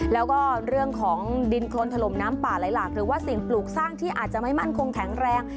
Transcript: แล้วก็เรื่องของดินโครนถล่มน้ำป่าไหลหลากหรือว่าสิ่งปลูกสร้างที่อาจจะไม่มั่นคงแข็งแรง